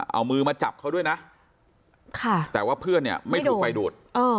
เอามือมาจับเขาด้วยนะแต่ว่าเพื่อนเนี่ยไม่ถูกไฟดูด